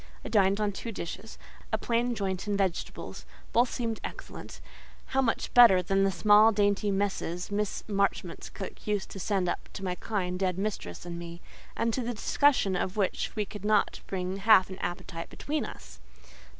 I dined on two dishes—a plain joint and vegetables; both seemed excellent: how much better than the small, dainty messes Miss Marchmont's cook used to send up to my kind, dead mistress and me, and to the discussion of which we could not bring half an appetite between us!